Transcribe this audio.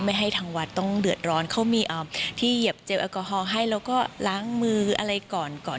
ไม่ให้ทางวัดต้องเดือดร้อนเขามีที่เหยียบเจลแอลกอฮอล์ให้แล้วก็ล้างมืออะไรก่อนก่อน